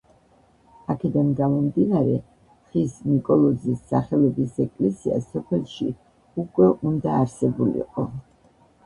აქედან გამომდინარე, ხის ნიკოლოზის სახელობის ეკლესია სოფელში უკვე უნდა არსებულიყო.